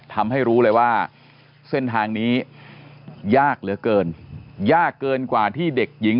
ทำให้รู้เลยว่าเส้นทางนี้ยากเหลือเกินยากเกินกว่าที่เด็กหญิง